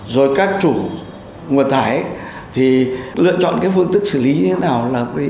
rồi các chủ nguồn thải thì lựa chọn phương tức xử lý thế nào